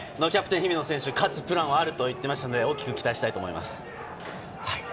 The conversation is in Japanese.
姫野選手、勝つプランもあると言っていましたので、期待したいと思います。